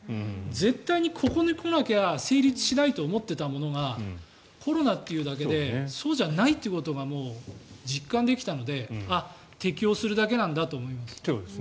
絶対にここに来なきゃ成立しないと思っていたものがコロナというだけでそうじゃないということがもう、実感できたのであ、適応するだけなんだと思います。